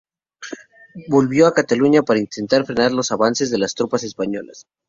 Volvió a Cataluña para intentar frenar los avances de las tropas españolas.